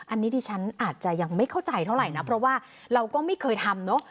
อันนี้ดิฉันอาจจะยังไม่เข้าใจเท่าไหร่นะเพราะว่าเราก็ไม่เคยทำเนอะ